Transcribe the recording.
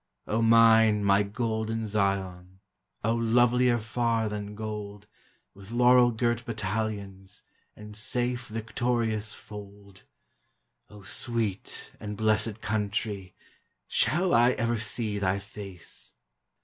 O mine, my golden Zion !() lovelier far than gold, With laurel girl battalions, And sate victorious fold ! O sweet and blessed Country, Shall I ever see thy face?